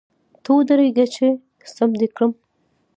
ته ودرېږه چي ! سم دي کړم .